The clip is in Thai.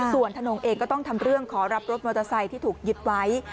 ส่วนถนนเองก็ต้องทำเรื่องขอรับรถมอเตอร์ไซค์ที่ถูกยึดไว้